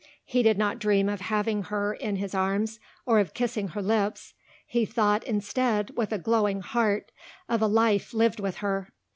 He did not dream of having her in his arms or of kissing her lips; he thought, instead, with a glowing heart, of a life lived with her.